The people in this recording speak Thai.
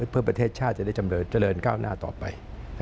เพื่อประเทศชาติจะได้เจริญก้าวหน้าต่อไป